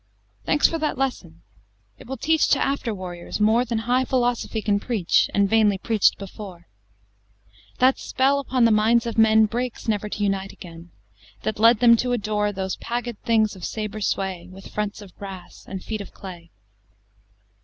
III Thanks for that lesson It will teach To after warriors more, Than high Philosophy can preach, And vainly preach'd before. That spell upon the minds of men Breaks never to unite again, That led them to adore Those Pagod things of sabre sway With fronts of brass, and feet of clay.